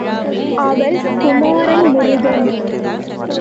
அவள் குமாரன் முருகன்.